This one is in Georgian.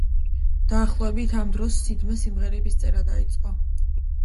დაახლოებით ამ დროს სიდმა სიმღერების წერა დაიწყო.